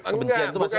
kebencian itu masih ada